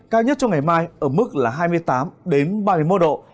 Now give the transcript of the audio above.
cao nhất trong ngày mai ở mức là hai mươi tám ba mươi một độ